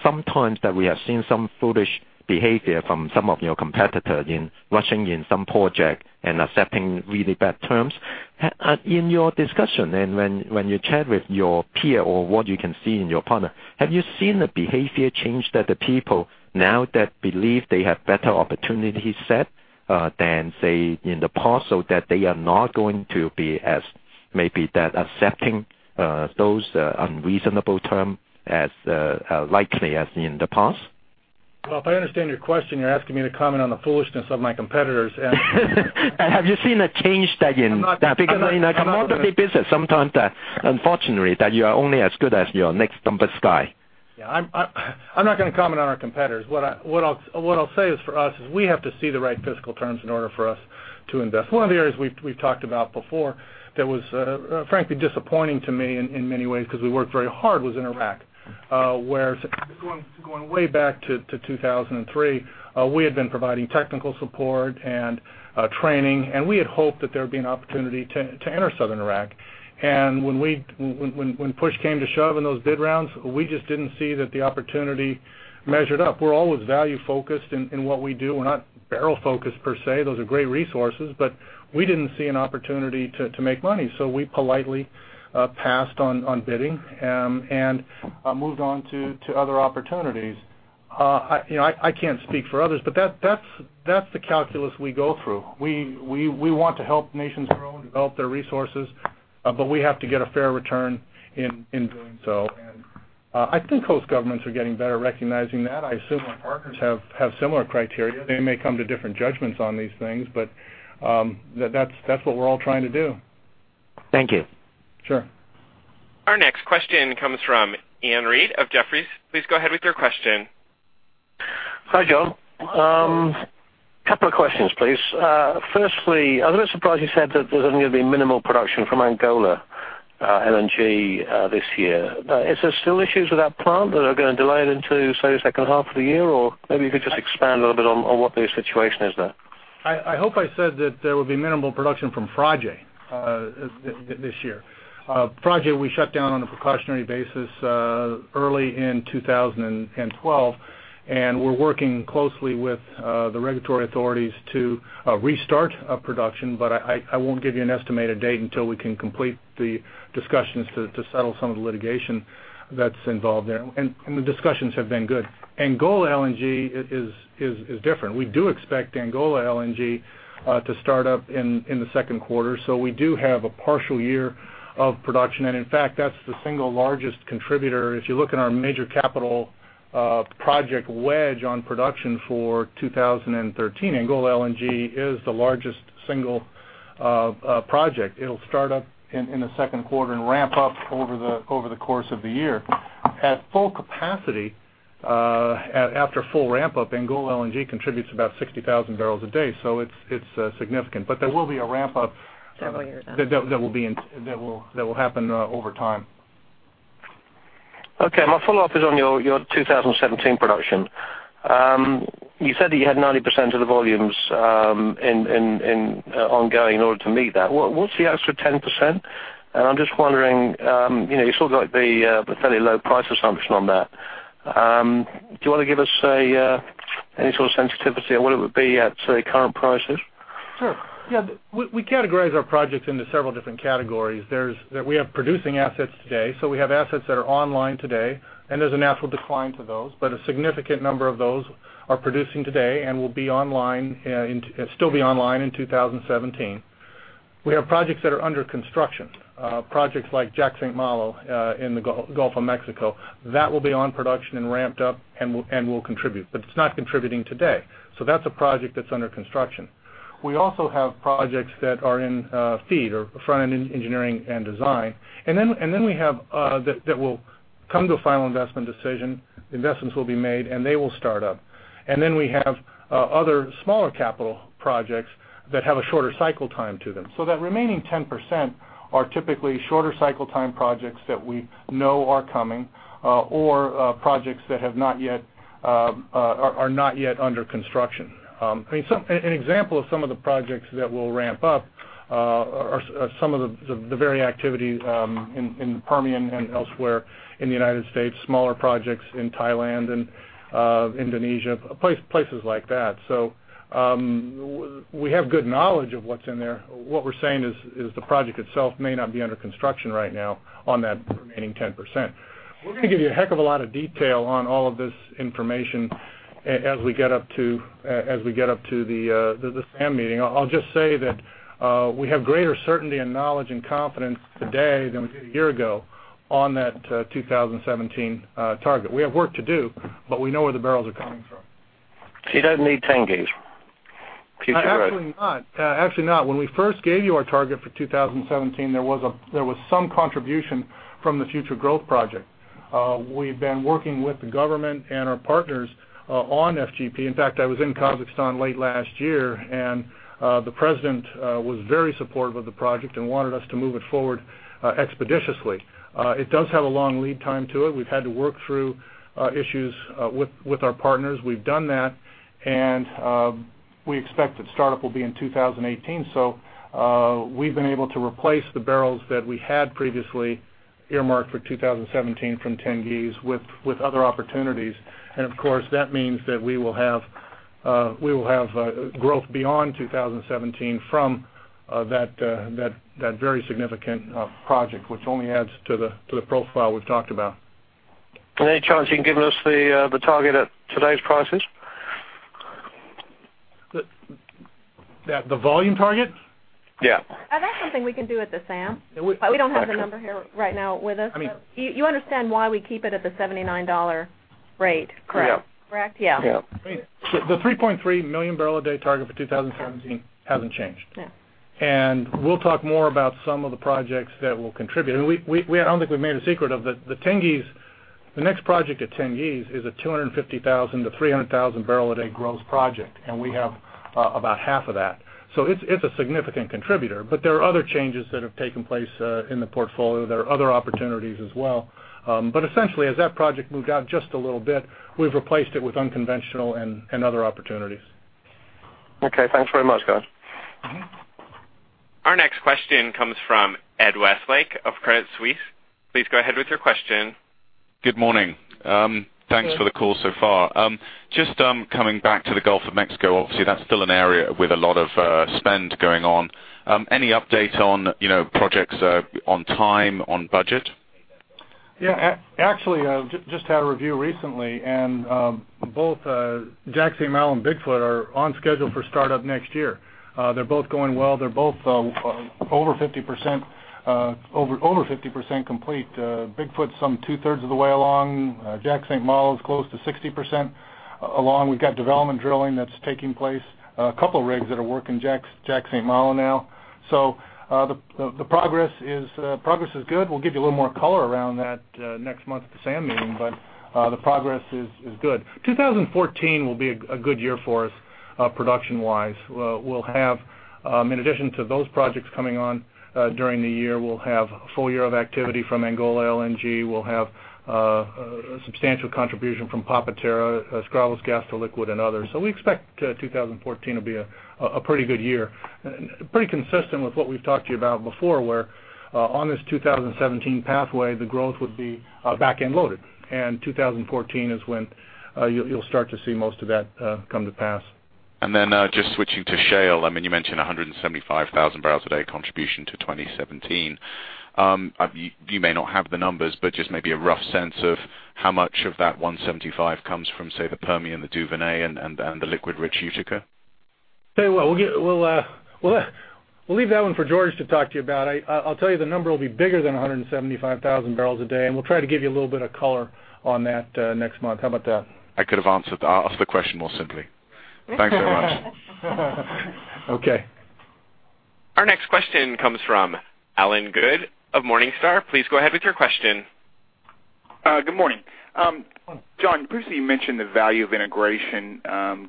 some times that we have seen some foolish behavior from some of your competitors in rushing in some project and accepting really bad terms. In your discussion and when you chat with your peer or what you can see in your partner, have you seen the behavior change that the people now that believe they have better opportunity set than, say, in the past, so that they are not going to be as maybe that accepting those unreasonable term as likely as in the past? Well, if I understand your question, you're asking me to comment on the foolishness of my competitors and- Have you seen a change that? I'm not going to. In a commodity business, sometimes unfortunately, that you are only as good as your next dumbest guy. I'm not going to comment on our competitors. What I'll say is for us is we have to see the right fiscal terms in order for us to invest. One of the areas we've talked about before that was frankly disappointing to me in many ways because we worked very hard, was in Iraq, where going way back to 2003, we had been providing technical support and training, and we had hoped that there would be an opportunity to enter Southern Iraq. When push came to shove in those bid rounds, we just didn't see that the opportunity measured up. We're always value-focused in what we do. We're not barrel-focused per se. Those are great resources, but we didn't see an opportunity to make money. We politely passed on bidding and moved on to other opportunities. I can't speak for others, but that's the calculus we go through. We want to help nations grow and develop their resources, but we have to get a fair return in doing so. I think host governments are getting better at recognizing that. I assume our partners have similar criteria. They may come to different judgments on these things, that's what we're all trying to do. Thank you. Sure. Our next question comes from Iain Reid of Jefferies. Please go ahead with your question. Hi, John. Couple of questions, please. Firstly, I was a bit surprised you said that there's only going to be minimal production from Angola LNG this year. Is there still issues with that plant that are going to delay it into, say, the second half of the year? Maybe you could just expand a little bit on what the situation is there. I hope I said that there will be minimal production from Frade this year. Frade will be shut down on a precautionary basis early in 2012. We're working closely with the regulatory authorities to restart production, but I won't give you an estimated date until we can complete the discussions to settle some of the litigation that's involved there. The discussions have been good. Angola LNG is different. We do expect Angola LNG to start up in the second quarter, so we do have a partial year of production. In fact, that's the single largest contributor. If you look at our major capital project wedge on production for 2013, Angola LNG is the largest single project. It'll start up in the second quarter and ramp up over the course of the year. At full capacity, after full ramp up, Angola LNG contributes about 60,000 barrels a day, so it's significant. There will be a ramp up- Several years out that will happen over time. Okay. My follow-up is on your 2017 production. You said that you had 90% of the volumes ongoing in order to meet that. What's the extra 10%? I'm just wondering, you still got the fairly low price assumption on that. Do you want to give us any sort of sensitivity on what it would be at, say, current prices? Sure. Yeah. We categorize our projects into several different categories. We have producing assets today, so we have assets that are online today, and there's a natural decline to those, but a significant number of those are producing today and will still be online in 2017. We have projects that are under construction. Projects like Jack/St. Malo in the Gulf of Mexico. That will be on production and ramped up and will contribute. It's not contributing today, so that's a project that's under construction. We also have projects that are in FEED or front-end engineering and design. Then we have that will come to a final investment decision, investments will be made, and they will start up. Then we have other smaller capital projects that have a shorter cycle time to them. That remaining 10% are typically shorter cycle time projects that we know are coming, or projects that are not yet under construction. An example of some of the projects that will ramp up are some of the very activities in the Permian and elsewhere in the United States, smaller projects in Thailand and Indonesia, places like that. We have good knowledge of what's in there. What we're saying is the project itself may not be under construction right now on that remaining 10%. We're going to give you a heck of a lot of detail on all of this information as we get up to the SAM meeting. I'll just say that we have greater certainty and knowledge and confidence today than we did a year ago on that 2017 target. We have work to do, but we know where the barrels are coming from. You don't need Tengiz future growth? Actually not. When we first gave you our target for 2017, there was some contribution from the future growth project. We've been working with the government and our partners on FGP. In fact, I was in Kazakhstan late last year, the president was very supportive of the project and wanted us to move it forward expeditiously. It does have a long lead time to it. We've had to work through issues with our partners. We've done that, we expect that startup will be in 2018. We've been able to replace the barrels that we had previously earmarked for 2017 from Tengiz with other opportunities. Of course, that means that we will have growth beyond 2017 from that very significant project, which only adds to the profile we've talked about. Any chance you can give us the target at today's prices? The volume target? Yeah. That's something we can do at the SAM. Okay. We don't have the number here right now with us. I mean You understand why we keep it at the $79 rate, correct? Yeah. Correct? Yeah. Yeah. The 3.3 million barrel a day target for 2017 hasn't changed. Yeah. We'll talk more about some of the projects that will contribute. I don't think we've made a secret of it. The next project at Tengiz is a 250,000 barrel a day-300,000 barrel a day growth project, and we have about half of that. It's a significant contributor, there are other changes that have taken place in the portfolio. There are other opportunities as well. Essentially, as that project moved out just a little bit, we've replaced it with unconventional and other opportunities. Okay, thanks very much, guys. Our next question comes from Ed Westlake of Credit Suisse. Please go ahead with your question. Good morning. Thanks for the call so far. Coming back to the Gulf of Mexico, obviously that's still an area with a lot of spend going on. Any update on projects on time, on budget? Yeah. Actually, just had a review recently. Both Jack/St. Malo and Big Foot are on schedule for startup next year. They're both going well. They're both over 50% complete. Big Foot's some two-thirds of the way along. Jack/St. Malo is close to 60% along. We've got development drilling that's taking place, a couple rigs that are working Jack/St. Malo now. The progress is good. We'll give you a little more color around that next month at the SAM meeting. The progress is good. 2014 will be a good year for us production-wise. In addition to those projects coming on during the year, we'll have a full year of activity from Angola LNG. We'll have a substantial contribution from Papa-Terra, Escravos GTL and others. We expect 2014 to be a pretty good year, pretty consistent with what we've talked to you about before, where on this 2017 pathway, the growth would be back-end loaded. 2014 is when you'll start to see most of that come to pass. Just switching to shale, you mentioned 175,000 barrels a day contribution to 2017. You may not have the numbers, just maybe a rough sense of how much of that 175 comes from, say, the Permian, the Duvernay, the liquid-rich Utica? Tell you what, we'll leave that one for George to talk to you about. I'll tell you the number will be bigger than 175,000 barrels a day, and we'll try to give you a little bit of color on that next month. How about that? I could have answered the question more simply. Thanks very much. Okay. Our next question comes from Allen Good of Morningstar. Please go ahead with your question. Good morning. Good morning. John, previously you mentioned the value of integration,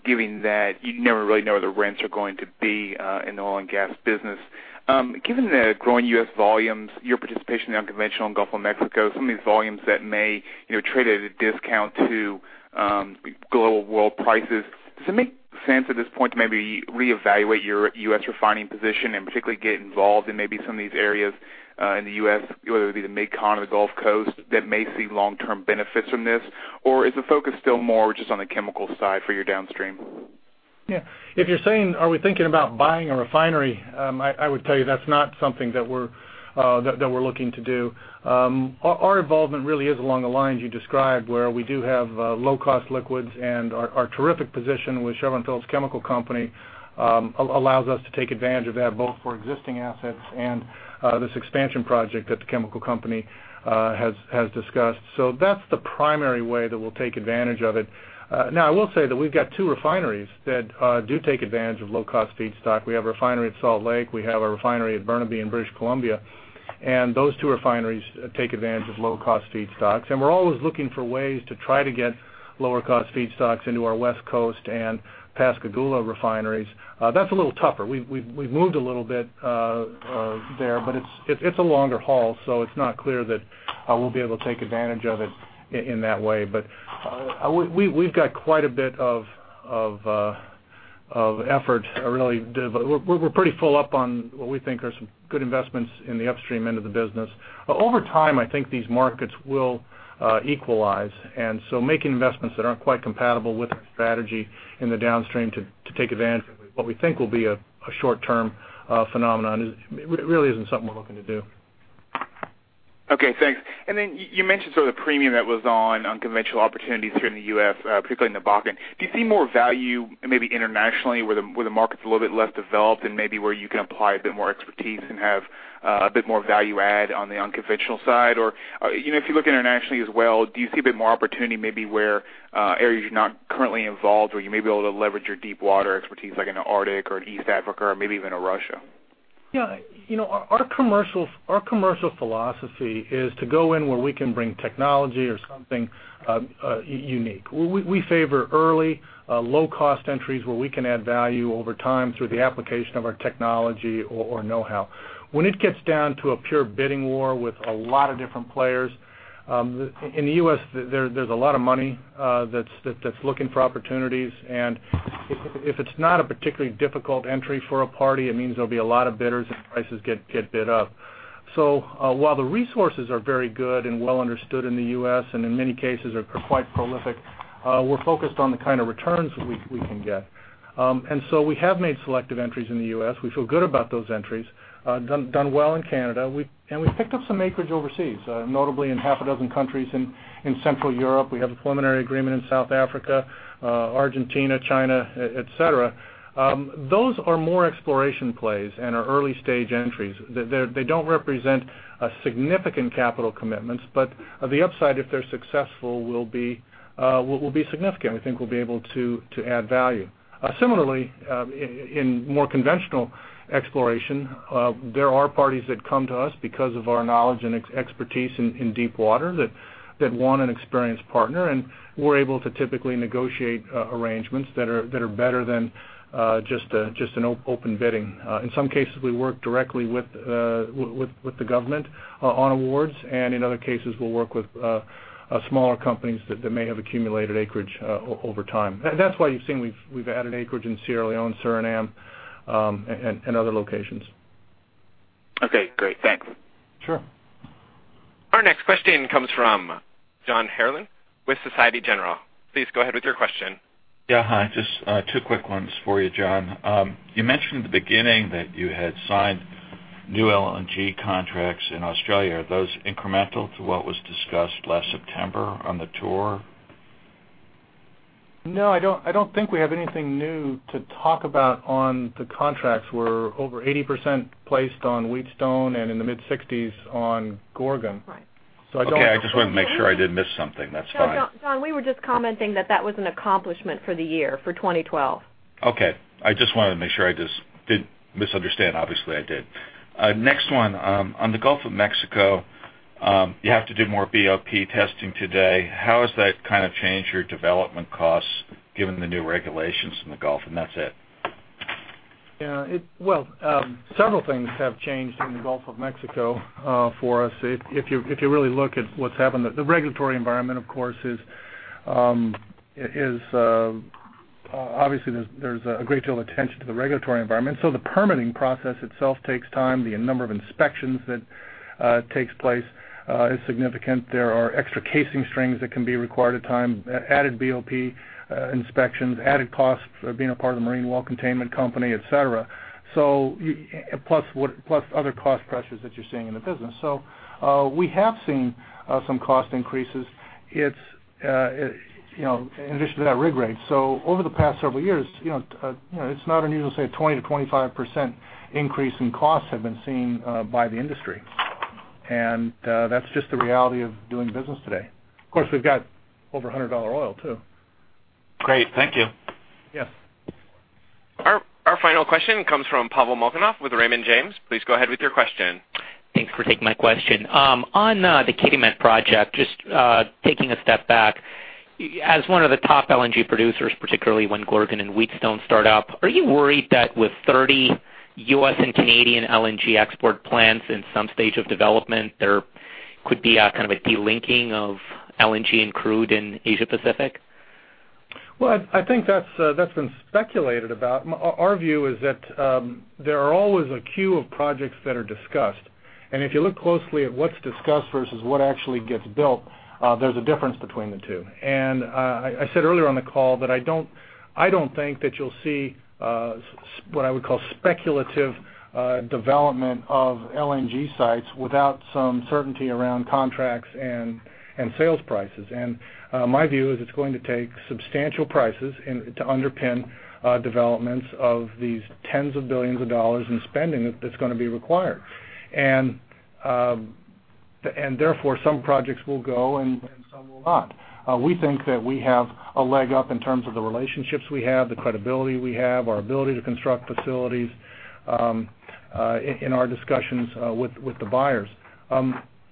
given that you never really know where the rents are going to be in the oil and gas business. Given the growing U.S. volumes, your participation in unconventional in Gulf of Mexico, some of these volumes that may trade at a discount to global world prices, does it make sense at this point to maybe reevaluate your U.S. refining position and particularly get involved in maybe some of these areas in the U.S., whether it be the Mid-Con or the Gulf Coast that may see long-term benefits from this? Or is the focus still more just on the chemical side for your downstream? Yeah. If you're saying, are we thinking about buying a refinery? I would tell you that's not something that we're looking to do. Our involvement really is along the lines you described, where we do have low-cost liquids, and our terrific position with Chevron Phillips Chemical Company allows us to take advantage of that, both for existing assets and this expansion project that the chemical company has discussed. That's the primary way that we'll take advantage of it. I will say that we've got two refineries that do take advantage of low-cost feedstock. We have a refinery at Salt Lake. We have a refinery at Burnaby in British Columbia, and those two refineries take advantage of low-cost feedstocks. We're always looking for ways to try to get lower-cost feedstocks into our West Coast and Pascagoula refineries. That's a little tougher. We've moved a little bit there, but it's a longer haul, so it's not clear that we'll be able to take advantage of it in that way. We've got quite a bit of effort, really. We're pretty full up on what we think are some good investments in the upstream end of the business. Over time, I think these markets will equalize, making investments that aren't quite compatible with our strategy in the downstream to take advantage of what we think will be a short-term phenomenon really isn't something we're looking to do. Okay, thanks. You mentioned sort of the premium that was on unconventional opportunities here in the U.S., particularly in the Bakken. Do you see more value maybe internationally where the market's a little bit less developed and maybe where you can apply a bit more expertise and have a bit more value add on the unconventional side? Or if you look internationally as well, do you see a bit more opportunity maybe where areas you're not currently involved where you may be able to leverage your deep water expertise like in the Arctic or East Africa or maybe even in Russia? Yeah. Our commercial philosophy is to go in where we can bring technology or something unique. We favor early low-cost entries where we can add value over time through the application of our technology or know-how. When it gets down to a pure bidding war with a lot of different players, in the U.S. there's a lot of money that's looking for opportunities, and if it's not a particularly difficult entry for a party, it means there'll be a lot of bidders and prices get bid up. While the resources are very good and well understood in the U.S. and in many cases are quite prolific, we're focused on the kind of returns we can get. We have made selective entries in the U.S. We feel good about those entries. Done well in Canada. We've picked up some acreage overseas, notably in half a dozen countries in Central Europe. We have a preliminary agreement in South Africa, Argentina, China, et cetera. Those are more exploration plays and are early-stage entries. They don't represent significant capital commitments, but the upside, if they're successful, will be significant. We think we'll be able to add value. Similarly, in more conventional exploration, there are parties that come to us because of our knowledge and expertise in deep water that want an experienced partner, and we're able to typically negotiate arrangements that are better than just an open bidding. In some cases, we work directly with the government on awards, and in other cases, we'll work with smaller companies that may have accumulated acreage over time. That's why you've seen we've added acreage in Sierra Leone, Suriname, and other locations. Okay, great. Thanks. Sure. Our next question comes from John Herrlin with Societe Generale. Please go ahead with your question. Yeah. Hi. Just two quick ones for you, John. You mentioned at the beginning that you had signed new LNG contracts in Australia. Are those incremental to what was discussed last September on the tour? No, I don't think we have anything new to talk about on the contracts. We're over 80% placed on Wheatstone, and in the mid-60s on Gorgon. Right. So I don't- Okay. I just wanted to make sure I didn't miss something. That's fine. No, John, we were just commenting that that was an accomplishment for the year, for 2012. Okay. I just wanted to make sure I just didn't misunderstand. Obviously, I did. Next one. On the Gulf of Mexico, you have to do more BOP testing today. How has that changed your development costs given the new regulations in the Gulf? That's it. Yeah. Well, several things have changed in the Gulf of Mexico for us. If you really look at what's happened, the regulatory environment, of course, obviously there's a great deal of attention to the regulatory environment. The permitting process itself takes time. The number of inspections that takes place is significant. There are extra casing strings that can be required at time, added BOP inspections, added costs for being a part of the Marine Well Containment Company, et cetera, plus other cost pressures that you're seeing in the business. We have seen some cost increases in addition to that rig rate. Over the past several years, it's not unusual to say 20%-25% increase in costs have been seen by the industry. That's just the reality of doing business today. Of course, we've got over $100 oil, too. Great. Thank you. Yes. Our final question comes from Pavel Molchanov with Raymond James. Please go ahead with your question. Thanks for taking my question. On the Kitimat project, just taking a step back. As one of the top LNG producers, particularly when Gorgon and Wheatstone start up, are you worried that with 30 U.S. and Canadian LNG export plants in some stage of development, there could be a kind of a delinking of LNG and crude in Asia Pacific? I think that's been speculated about. Our view is that there are always a queue of projects that are discussed, and if you look closely at what's discussed versus what actually gets built, there's a difference between the two. I said earlier on the call that I don't think that you'll see what I would call speculative development of LNG sites without some certainty around contracts and sales prices. My view is it's going to take substantial prices to underpin developments of these tens of billions of dollars in spending that's going to be required. Therefore, some projects will go and some will not. We think that we have a leg up in terms of the relationships we have, the credibility we have, our ability to construct facilities in our discussions with the buyers.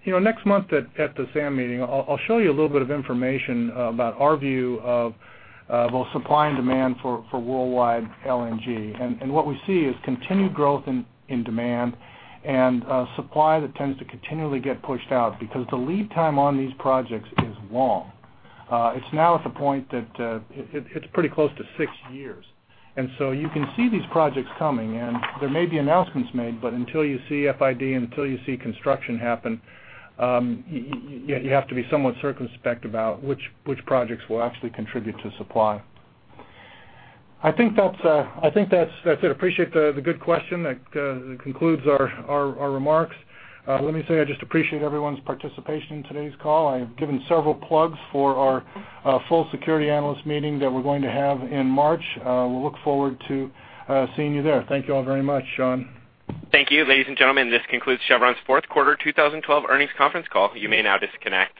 Next month at the SAM meeting, I'll show you a little bit of information about our view of both supply and demand for worldwide LNG. What we see is continued growth in demand and supply that tends to continually get pushed out because the lead time on these projects is long. It's now at the point that it's pretty close to six years. You can see these projects coming, and there may be announcements made, but until you see FID and until you see construction happen, you have to be somewhat circumspect about which projects will actually contribute to supply. I think that's it. Appreciate the good question. That concludes our remarks. Let me say I just appreciate everyone's participation in today's call. I have given several plugs for our full security analyst meeting that we're going to have in March. We'll look forward to seeing you there. Thank you all very much. Sean. Thank you, ladies and gentlemen. This concludes Chevron's fourth quarter 2012 earnings conference call. You may now disconnect.